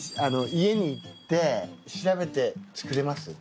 家に行って調べて作れます？